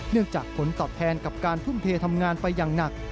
จากผลตอบแทนกับการทุ่มเททำงานไปอย่างหนัก